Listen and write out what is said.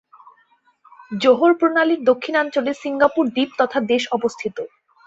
জোহর প্রণালীর দক্ষিণাঞ্চলে সিঙ্গাপুর দ্বীপ তথা দেশ অবস্থিত।